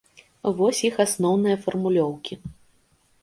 Вось іх асноўныя фармулёўкі.